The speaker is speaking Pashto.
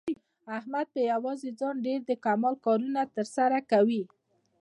احمد په یووازې ځان ډېر د کمال کارونه تر سره کوي.